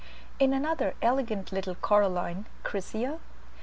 In another elegant little coralline (Crisia?)